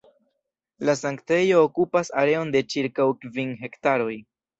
La sanktejo okupas areon de ĉirkaŭ kvin hektaroj.